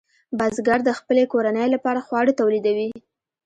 بزګر د خپلې کورنۍ لپاره خواړه تولیدوي.